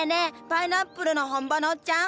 パイナップルの本場のおっちゃん！